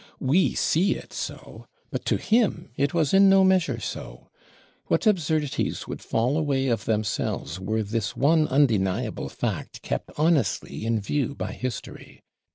We see it so; but to him it was in no measure so. What absurdities would fall away of themselves, were this one undeniable fact kept honestly in view by History!